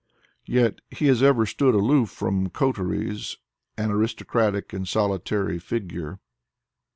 Yet he has ever stood aloof from coteries, an aristocratic and solitary figure.